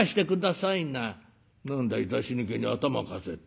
「何だい出し抜けに頭貸せって。